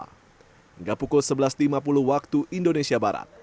hingga pukul sebelas lima puluh waktu indonesia barat